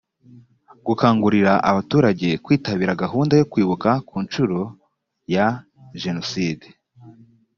gukangurira abaturage kwitabira gahunda yo kwibuka ku nshuro ya jenoside